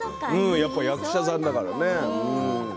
やっぱり役者さんだからね。